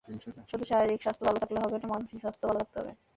শুধু শারীরিক স্বাস্থ্য ভালো থাকলে হবে না, মানসিক স্বাস্থ্যও ভালো থাকতে হবে।